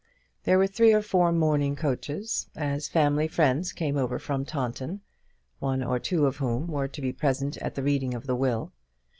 There were three or four mourning coaches, as family friends came over from Taunton, one or two of whom were to be present at the reading of the will.